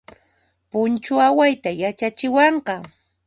Punchu awayta yachachiwanqa